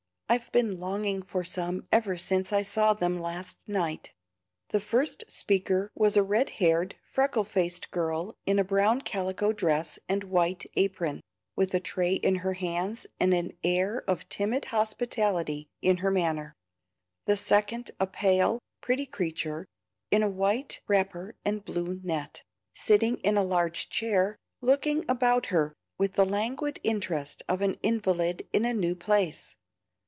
I've been longing for some ever since I saw them last night." The first speaker was a red haired, freckle faced girl, in a brown calico dress and white apron, with a tray in her hands and an air of timid hospitality in her manner; the second a pale, pretty creature, in a white wrapper and blue net, sitting in a large chair, looking about her with the languid interest of an invalid in a new place.